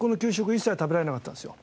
一切食べられなかったんですよ。